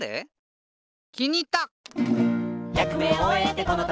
きにいった！